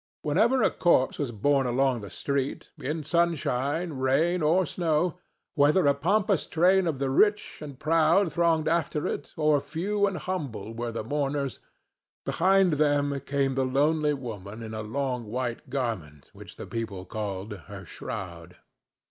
Whenever a corpse was borne along the street, in sunshine, rain or snow, whether a pompous train of the rich and proud thronged after it or few and humble were the mourners, behind them came the lonely woman in a long white garment which the people called her shroud.